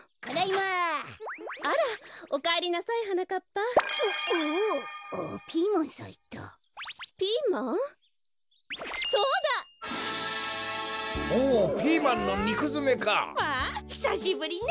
まあひさしぶりね！